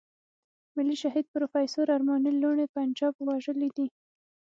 ملي شهيد پروفېسور ارمان لوڼی پنجاب وژلی دی.